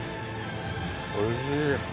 おいしい。